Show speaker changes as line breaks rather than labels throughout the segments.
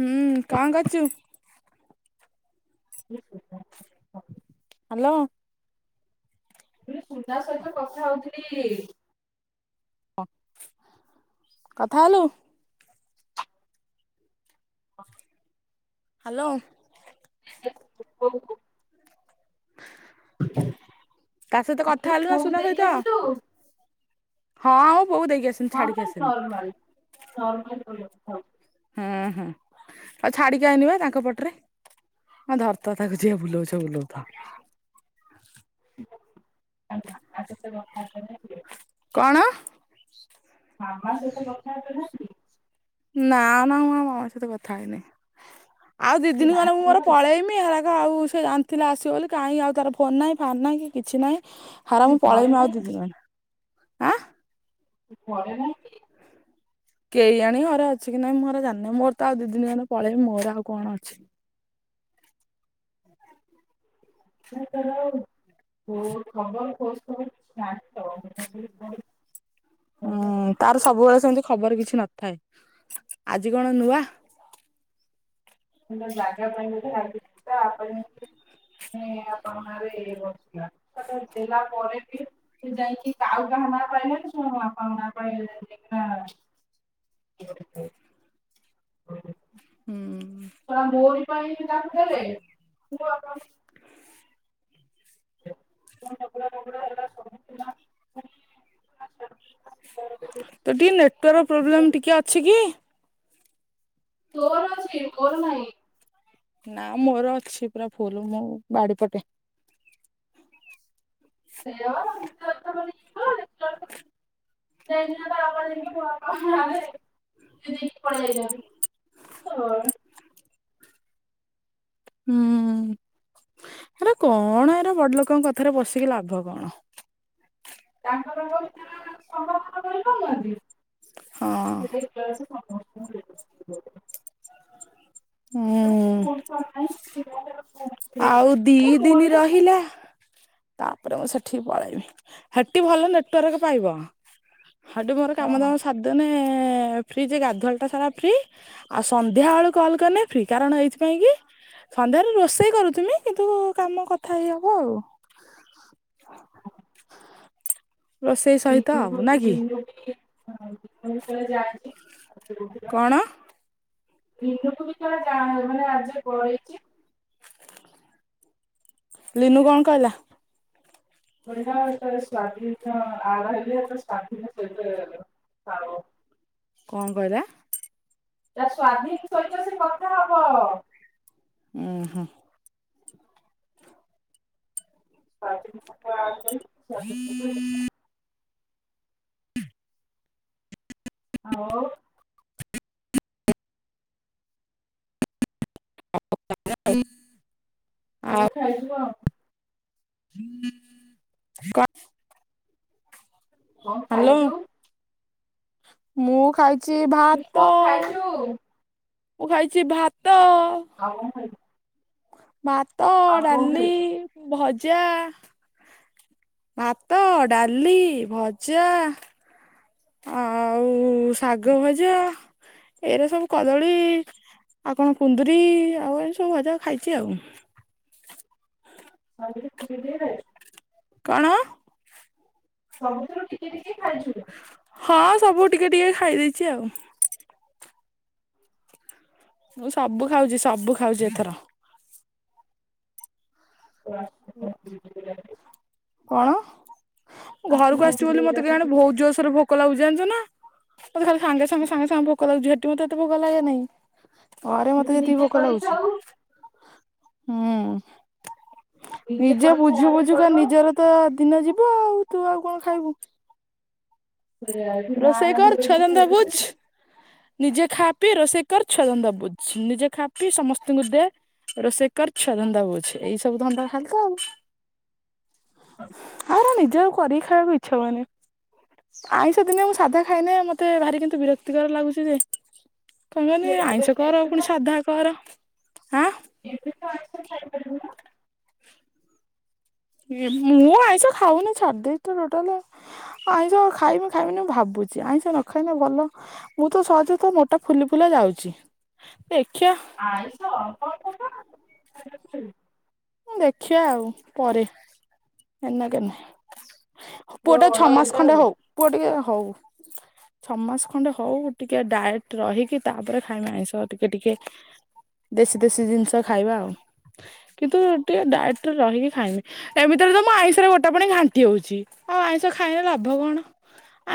ହୁଁ କଣ କରୁଚୁ
[inaudible]
ହ୍ୟାଲୋ।
ସୁନା ସହିତ କଥା ହଉଥିଲି।
କଥା ହେଲୁ। ହ୍ୟାଲୋ।
[unintelligible]
ତା ସହିତ କଥା କଥା
କହିଲି
ହେଲୁ
ପୁଅକୁ
ସୁନା
ଦେଇକି
ସହିତ
ଆସିଲୁ
ହଁ ପୁଅ କୁ ଦେଇକି ଆସିନି
ହଁ ବା
ଛାଡିକି ଆସିଲି
ନର୍ମାଲ ନର୍ମାଲ କଲ୍ କଥା
ହୁଁ ହୁଁ ଆଉ ଛାଡିକି ଆଇନିବା ତାଙ୍କ ପଟରେ ହଁ ଧରିଥା ତାକୁ ଯିଏ ବୁଲଉଛ ବୁଲଉଥା
[inaudible] [unintelligible] [unintelligible]
କଣ?
[unintelligible] ସେ ତ କଥା ହେଇପାରୁନାହାନ୍ତି
ନା ନା ମୁଁ ମୋ ମାମା ସହିତ କଥା ହେଇନି। ଆଉ ଦି
ସେ
ଦିନ ଗଲେ ମୁଁ
ନାହାନ୍ତି
ମୋର
ଘରେ
ପଳେଇବି ହେରା ଆଉ ସେ ଜାଣିଥିଲା ଆସିବ ବୋଲି କାହିଁ ଆଉ ତାର ଫୋନ ନାହିଁ ଫାନ ନାହିଁ କି କିଛି ନାଇ। ହେରା
ସେ
ମୁଁ
ଘରେ
ପଳେଇମି ଆଉ
ନାହିଁ
ଦି
କି?
ଦିନ ପାଇ। ଆଁ
ଘରେ ନାହିଁ କି?
କେଇ ଜାଣି ଘରେ ଅଛି କି ନାଇଁ ମୁଁ ହେରା ଜାଣିନି ମୋର ତ ଆଉ ଦି ଦିନି ଗଲେ ପଳେଇବି ମୋର ଆଉ କଣ ଅଛି।
[unintelligible] [unintelligible] ମୁଁ କହିଲି କିଛି ଜାଣିନୁ [unintelligible] କଥା
ହୁଁ
କହୁଛୁ?
ତାର ସବୁବେଳେ ସେମିତି ଖବର କିଛି ନଥାଏ ଆଜି କଣ ନୂଆ।
ଜାଗା ପାଇଁରେ ଦେଲା ପରେ ବି ସେ ଯାଇକି କାଉ କାହାନ ପାଇଁ ହେଲେ ଶଣପ ପାଇଁଲେି [unintelligible]
ହୁଁ।
ହଁ ମୋରି ପାଇଁ [unintelligible] କାହାକୁ ଦେଲେ ମୋ ଅକାଉଣ୍ଟ [unintelligible]
ତ ଟିକେ ନେଟୱାର୍କ ପ୍ରୋବ୍ଲେମ ଟିକେ ଅଛି କି?
ତୋର ଅଛି ମୋର ନାହିଁ।
ନା ମୋର ଅଛି ପୁରା ଫୁଲ ମୁଁ ବାଡି ପଟେ।
ସେ [unintelligible] ସେପଣିନି ପ [unintelligible] ହ [inaudible] [unintelligible] ଯଦି ପଳେଇଲା ଶଳା
ହୁଁ ଆରେ କଣ ଏରା ବଡ ଲୋକଙ୍କ କଥାରେ ପସିକି ଲାଭ କଣ?
ତାଙ୍କର ହେଇକିନା ସଂଘ ଫଙ୍ଗ କରିପାରୁନାହାନ୍ତି।
ହଁ
ସେ ସମ [unintelligible] [unintelligible]
ହୁଁ।
ହ [unintelligible]
ଆଉ ଦି ଦିନି ରହିଲା। ତାପରେ ମୁଁ ସେଠିକି ପଳେଇବି ହେଠି ଭଲ ନେଟୱାର୍କ ପାଇବ। ହଁ ଡି ମୋର କାମ ଦାମ ସାଦେନେ। ଏ ଫ୍ରି ଯେ ଗାଧୁଆଲ ଟା ସାରା ଫ୍ରି। ଆଉ ସନ୍ଧ୍ୟା ବେଳୁ କଲ କରିନେ ଫ୍ରି। କାରଣ ଏଇଥିପାଇଁ କି ସନ୍ଧ୍ୟାରେ ରୋଷେଇ କରୁଥିମି କିନ୍ତୁ କାମ କଥା ହେଇ ହବ ଆଉ। ରୋଷେଇ ସହିତ ନା କି?
ହଁ ମୁଁବେଳେ ବେଳେ ଯାଉଛି। ଆଛାଠ [unintelligible]
କଣ
ନିନୁକୁବି ତ [unintelligible] ହେଇଛି
ଲିନୁ କଣ କହିଲା?
ବନା ସ୍ଵାଧୀନ ଆହଲେ ସ୍ଵାଧୀନ ସେ [inaudible] [unintelligible]
କଣ କହିଲା?
ତା ସ୍ଵାଧୀନ ସହିତ ସେ କଥା ହବ।
ଉଁ ହୁ।
ଧ ଆ [unintelligible] ହଉ।
[inaudible]
ହଁ ଖାଇଛୁ ଆଉ।
କ
କଣ ଖାଇଛୁ?
ମୁଁ ଖାଇ ଛି
ମୁଁ କହିଲି କଣ
ଭାତ
ଖାଇଛୁ?
ମୁଁ ଖାଇଛି ଭା
ଆଉ କଣ ଖାଇଛୁ?
ଭାତ,
ଆଉ କଣ
ଡାଲି,
ଖାଇଛୁ?
ଭଜ ଜା ଭାତ, ଡାଲି, ଭଜା ଆଉ ଶାଗ ଭଜା ଏରା ସବୁ କଦଳୀ ଆଉ କଣ କୁନ୍ଦୁରି ଆଉ ଏ ସବୁ ଭଜା ଖାଇଛି ଆଉ।
[inaudible]
କଣ?
ସବୁ ଠୁରୁ ଟିକେ ଟିକେ କେ ଖାଇଛୁ।
ହଁ ସବୁ ଟିକେ ଟିକେ ଖାଇ ଦେଇଛି ଆଉ। ମୁଁ ସବୁ ଖାଉଛି ସବୁ ଖାଉଛି ଏଥର।
[inaudible]
କଣ? ଘରକୁ
ଆସୁନୁ
ଆସିବ
ନିଜେ
ବଳି ମତେ ଗାଁଆରେ ବହୁତ ଜୋରସେ ଭୋକ ଲାଗୁଛି। ଜାଣିଛୁ ନା ମତେ ଖାଲି ସାଙ୍ଗେ ସାଙ୍ଗେ ସାଙ୍ଗେ ସାଙ୍ଗେ ଭୋକ ତୁମ ଝିଅଟି [inaudible] ଗଲା ୟା ନାଇଁ ଘରେ ମତେ ଏତିକି
ନିଜେ
ଭୋକ
କରିକି
ଲାଗୁଛି।
ଖାଉ।
ହୁଁ। ନିଜେ
କରିକି ଖାଇବା
ବୁଝୁ
ପାଇଁ
ବୁଝୁ କା
ପଡିବ।
ନିଜର ତ ଦିନ ଯିବୁ ତୁ ଆଉ କଣ ଖାଇବୁ?
ବଢିଆ ଏଠି ମାଁ
ରୋଷେଇ କର ଛୁଆ
ରାନ୍ଧୁଛି
ଧନ୍ଦା
ଖାଇ
ବୁଝ
ଦେଉଛି।
ନିଜେ ଖା ପିଇ ରୋଷେଇ କର ଛୁଆ ଧନ୍ଦା ବୁଝ ନିଜେ ଖା ପିଇ ସମସ୍ତଙ୍କୁ ଦେ ରୋଷେଇ କର ଛୁଆ ଧନ୍ଦା ବୁଝ ଏଇ ସବୁ ଧନ୍ଦା ଖାଳି ତ ଆଉ।
ହ।
ନିଜର କରିକି ଖାଇବାକୁ ଇଚ୍ଛା ହୁଏନି। ଦିନେ ମୁଁ ସାଧା ଖାଇଲେ ମତେ ଭାରି କିନ୍ତୁ ବିରକ୍ତିକାର ଲାଗୁଛି ଯେ। ତମେ ମାନେ
ସେ ଏବେ
ଆଇଁଷ କର
ଏବେ ତ
ପୁଣି ସାଧା କର। ହାଁ
ଏବେ ତୋ ଆଇଁଷ ଖାଇ ପାରିବୁ ନା।
ମୁଁ ଆଇଁଷ ଖାଉନି ଛାଡି ଦେଇଛି ତ ଟୋଟାଲ ଆଇଁଷ ଆଉ ଖାଇବି ଖାଇବିନି ଭାବୁଛି ଆଇଁଷ ନ ଖାଇଲେ ଭଲ ମୁଁ ତ ସହଜ ତ ମୋଟା ଫୁଲି ଫୁଲା ଯାଉଛି। ଦେଖିଆ
ଆଇଁଷ [unintelligible]
ହୁଁ ଦେଖିବା ଆଉ ପରେ ଏନକା ନାହିଁ। ପୁଅ ଟା
ବଡ
ଛଅ ମାସ ଖଣ୍ଡେ
ହେଇଯାଉ। ଆଉ
ହଉ ପୁଅ ଟିକେ ହଉ ଛଅ ମାସ ଖଣ୍ଡେ ହଉ ଟିକେ ଡାଏଟ ରହିକି ତାପରେ ଖାଇବା ଆଇଁଷ ଟିକେ ଟିକେ ଦେଶୀ ଦେଶୀ ଜିନିଷ ଖାଇବା ଆଉ କିନ୍ତୁ ଟିକେ ଡାଏଟରେ ରହିକି ଖାଇମି ଏମିତିରେ ତ ମୁଁ ଆଇଁଷରେ ଗୋଟେ ପାଣି ଘାଣ୍ଟି ହଉଛି ଆଉ ଆଇଁଷ ଖାଇଲେ ଲାଭ କଣ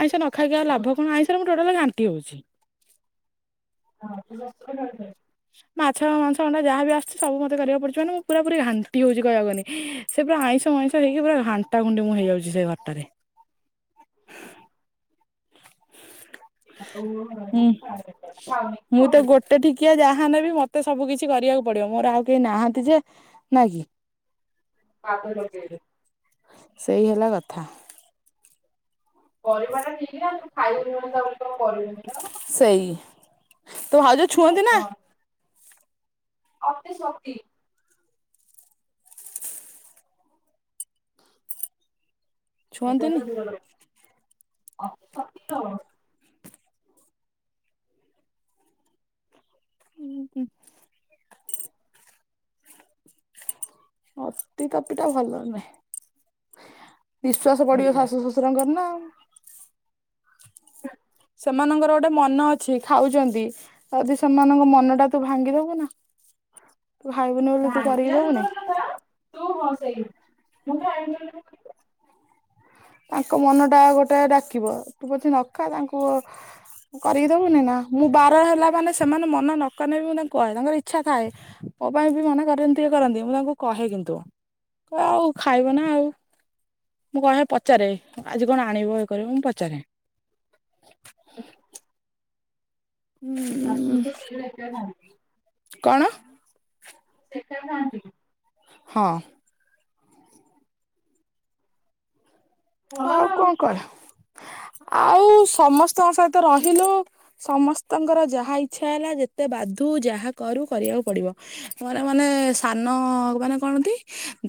ଆଇଁଷ ନ ଖାଇକି ଆଉ ଲାଭ କଣ ଆଇଁଷ ରେ ମୁଁ ଟୋଟାଲ ଘା ଣ୍ଟି ହଉଛି।
[inaudible]
ମାଛ ମାଂସ ଅଣ୍ଡା ଯାହା ବି ଆସୁଛି ସବୁ ମତେ କରିବାକୁ ପଡୁଛି ମାନେ ମୁଁ ପୁରା ପୁରି ଘାଣ୍ଟି ହଉଛି କହିବାକୁଗଲେ ସେ ପୁରା ଆଇଁଷ ମାଇଁଷ ହେଇକି ପୁରା ଘାଣ୍ଟା ଘୁଣ୍ଟି ମୁଁ ହେଇଯାଉଛି ସେ ଘରଟାରେ।
ଆଉ
[inaudible] ହୁଁ
ଖାଉନି କି କଣ
ମୁଁ ତ
କରିବ?
ଗୋଟେ ଠିକିଆ ଯାହା ନେବି ମତେ ସବୁ କିଛି କରିବାକୁ ପଡିବ ମୋର ଆଉ କେହି ନାହାନ୍ତି ଯେ ନା କି।
[unintelligible]
ସେଇ ହେଲା କଥା।
ପରିବା ଟା ଠିକ ନା ତୁ ଖାଇ ପି ଯାଉନ। [unintelligible]
ସେଇ ତୋ ଭାଉଜ ଛୁଅନ୍ତି ନା।
ଅତି ଶକ୍ତି।
ଛୁଅନ୍ତିନି?
[unintelligible] [unintelligible]
ହୁଁ ହୁଁ। ହସ୍ତି କପି ଟା ଭଲ ନୁହେଁ। [inaudible] ନିଶ୍ୱାସ ପଡିବ
ମିଳିଲା
ଶାଶୁ ଶଶୁରଙ୍କର ନାଉ। [inaudible] ସେମାନଙ୍କର ଗୋଟେ ମନ ଅଛି ଖାଉଛନ୍ତି ଯଦି ସେମାନଙ୍କ ମନ ଟା ତୁ ଭାଙ୍ଗିଦବୁ ନା। ତୁ ଖାଇବୁନି ବୋଲି ତୁ
ଭାଗ୍ୟ
କରିକି ଦବୁନି।
ଦୂରର କଥା ତୁ ହଁ ସେଇ ମୁଁଟା ଆଇ [unintelligible]
ତାଙ୍କ ମନ ଟା ଗୋଟେ ଡାକିବ ତୁ ପଛ ନଖା ତାଙ୍କୁ କରିକି ଦବୁନି ନା ମୁଁ ବାର ହେଲା ମାନେ ସେମାନେ ମନ ନକନେ ବି ମୁଁ ତାଙ୍କୁ କହେ ତାଙ୍କର ଇଚ୍ଛା ଥାଏ ମୋ ପାଇଁ ବି ମନା ଟିକେ କରନ୍ତି ମୁଁ ତାଙ୍କୁ କହେ କିନ୍ତୁ କହେ ଆଉ ଖାଇବ ନା ଆଉ ମୁଁ କହେ ପଚାରେ ଆଜି କଣ ଆଣିବ ଇ କରିବ ମୁଁ ପଚାରେ।
[inaudible]
ଉଁ
[inaudible]
କଣ।
ଶେଖର ଗାଧି
ହଁ।
ଭଲ
ଆଉ
ନା
କଣ କର ଆଉ ସମସ୍ତଙ୍କ ସହିତ ରହିଲୁ ସମସ୍ତଙ୍କର ଯାହା ଇଚ୍ଛା ହେଲା ଯେତେ ବାଧୁ ଯାହା କରୁ କରିବାକୁ ପଡିବ ମୋର ମାନେ ସାନ ମାନେ କଣନ୍ତି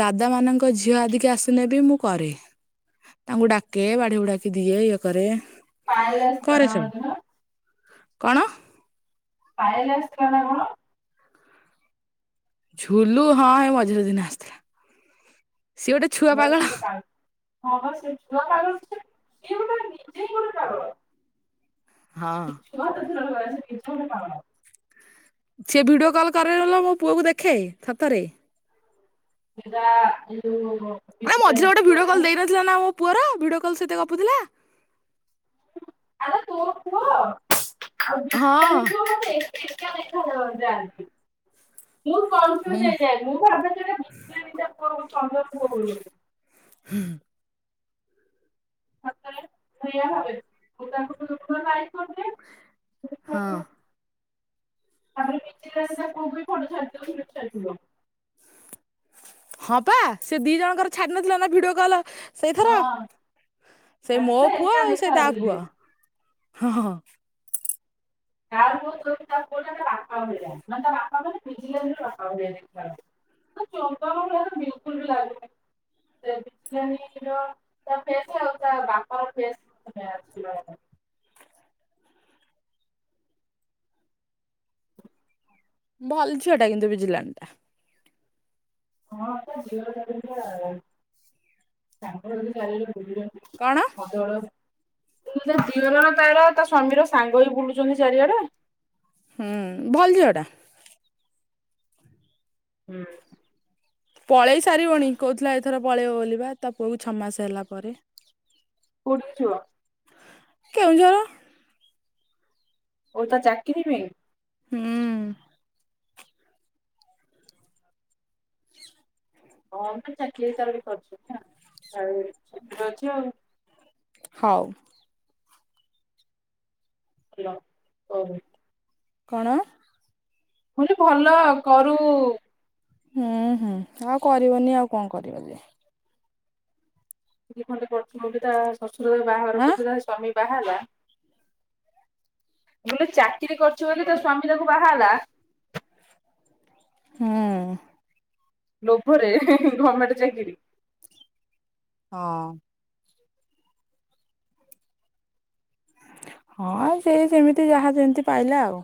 ଦାଦା ମାନଙ୍କ ଝିଅ ଆଧିକି ଆସିନେ ବି ମୁଁ କରେ। ତାଙ୍କୁ ଡାକ କେଏ ବାଢ ବୁଡାକ ଦିଏ ଇଏ କରେ
ପାୟଲ ଆସିଥିଲା
କରେଛଉ।
ନା ସେଦିନ
କଣ।
ପାାୟ ଯସ୍ତ୍ର କଣ।
ଝୁଲୁ ହଁ ଏ ମଝିରେ ଦିନେ ଆସିଥିଲା। ସିଏ ଗୋଟେ ଛୁଆ
କୁଆଡେ
ପାଗଳ
ଗୋଟେ ପାଗ ହଁ ସେ ଝିଅ କାଗ ଗୋଟେ ନିଜେ ଗୋଟେ କାଗ
ହଁ
ପା
ସି ଭିଡିଓ କଲ୍ କରଲା ମୋ ପୁଅ କ ଦେଖେ ଛାତରେ
ୁ [unintelligible]
ନାଇ ମଝେ ଗୋଟେ ଭିଡିଓ କଲ ଦେଇନଥିଲା ନା ପୁଅର ଭିଡି କଲ ସତ ଗପୁଥିଲା
ଆ ତୋ କୁହ ଆଉ ବିବ
ହଁ
ଗୋଟେ ଶିକଷା ଦେଖ ଯାନ୍ତି ମୁଁ ତ କ ଯ ଯାଇ ମୁଁ ଭାବଟ ବୁଝିଲ କ ଚ
ହୁଁ
ମତରେ ଭୟା ହବ ମୁ ତା
ହଁ
ତାପଣ ଖ ଫୋଟୋ ଛାଟଟ ଛଟ
ହଁ ପା ସେ ଦି ଜଣଙ୍କର ଛାଡି ନଥିଲା ନା ଭିଡିଓ କଲ ସେଇଥର
ହଁ
ସେଇ ମୋ
ଛାଡିଥିଲେ
ପୁଅ
ଏକା
ଆଉ
ଦେଖା
ସେଇ ତା
ଯାଉଥିଲେ।
ପୁଅ ହଁ ହଁ
ବାା ଭଳିେ ବାପା ମାନ ବିଜାଆ ଦେଖ ବ ଲୁ ବାପ
ଭଲଛିଅଟା କିନ୍ତୁ ବିଜିଲ୍ୟାଣ୍ଡ ଟା
ହଁ ମତଳ ତିିଅର
କଣ
ତାର ତା ସ୍ଵାମୀର ସାଙ୍ଗ ବି ବୁଲୁଛନ୍ତି ଚାରିଆଡେ
ହୁଁ ଭଲ ଝିଅଟା
ହୁଁ
ପଳେଇ ସାରିବନ କୋହୁଥିଲା ଏଥର ପଳେଇବ ବଲିବା ତା ପୁଅକୁ ଛଅ ମାସ ହେଲା ପରେ
ଛୁ
କେଁଝର
ଓ ତା ଚାକରି ନିବ
ହୁଁ
ହଁମ ଚାକ ତାର ବି କରୁଛୁ ନା ଆଉ ଠରେ ଅଛ ଆଉ
ହଉ
ହଲୋ ହ
କଣ
କୁନ ଭଲ କରୁ
ହୁଁ ହୁଁ ଆଉ କରିବନି ଆଉ କଣ କରିବ ଯେ
କି ଖଣ୍ଡେ ପୁ ମୁ ବି ତ ଅସୁର ବାହାର
ଆଁ
କରିୁଥାଏ ସମୀ ବୋଟେ ଚାକିରି କରୁଛ ବୋଲି ତା ସ୍ଵାମୀ ତାକୁ ବାହାରଲା
ହଁ
ଲୋଭରେ ହେ ହେ ଗର୍ମେଣ୍ଟ ଚାକିରି।
ହଁ ହଁ ସେ ଯେମିତି ଯାହା ଯେମିତି ପାଇଲା ଆଉ।